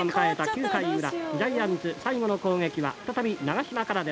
９回裏ジャイアンツ最後の攻撃は再び長嶋からです。